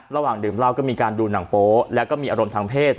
ระหว่างดื่มเหล้าก็มีการดูหนังโป๊ะแล้วก็มีอารมณ์ทางเพศ